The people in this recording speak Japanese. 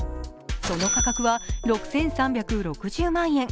その価格は６３６０万円。